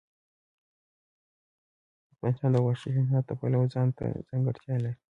افغانستان د وحشي حیوانات د پلوه ځانته ځانګړتیا لري.